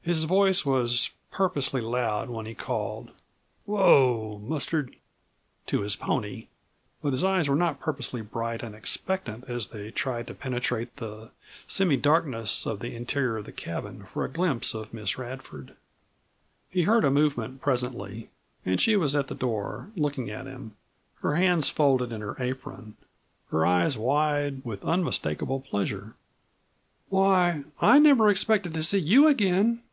His voice was purposely loud when he called "Whoa, Mustard!" to his pony, but his eyes were not purposely bright and expectant as they tried to penetrate the semi darkness of the interior of the cabin for a glimpse of Miss Radford. He heard a movement presently, and she was at the door looking at him, her hands folded in her apron, her eyes wide with unmistakable pleasure. "Why, I never expected to see you again!"